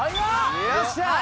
よっしゃ！